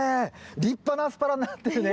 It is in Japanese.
立派なアスパラになってるね。